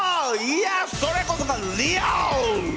いやそれこそがリアル！